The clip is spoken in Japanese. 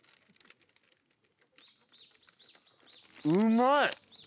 うまい！